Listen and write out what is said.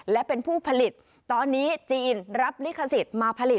และเป็นผู้ผลิตตอนนี้จีนรับลิขสิทธิ์มาผลิต